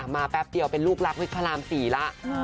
แป๊บเดียวเป็นลูกรักวิทย์พระราม๔แล้ว